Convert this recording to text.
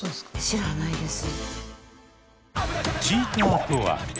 知らないです。